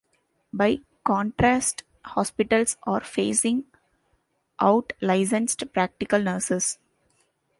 By contrast hospitals are phasing out licensed practical nurses.